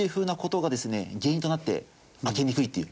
原因となって開けにくいっていう。